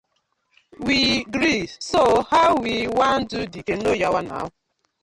We gree, so how we wan do de canoe yawa naw?